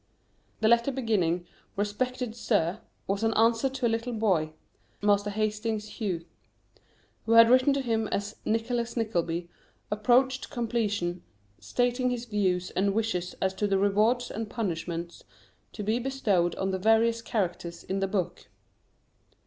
The letter beginning "Respected Sir" was an answer to a little boy (Master Hastings Hughes), who had written to him as "Nicholas Nickleby" approached completion, stating his views and wishes as to the rewards and punishments to be bestowed on the various characters in the book.